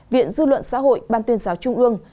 viện dư luận xã hội ban tuyên giáo trung ương